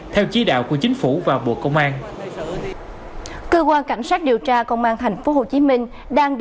theo chí đạo của chính phủ và bộ công an